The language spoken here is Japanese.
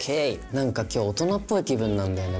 何か今日大人っぽい気分なんだよね